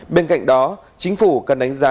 bên cạnh đó chính phủ cần đánh giá